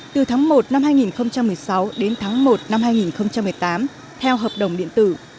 từ tháng một năm hai nghìn một mươi sáu đến tháng một năm hai nghìn một mươi tám theo hợp đồng điện tử